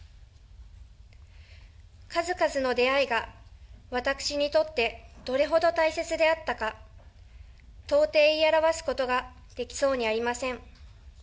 数々の出会いが、私にとってどれほど大切であったか、到底言い表すことができそうにありません。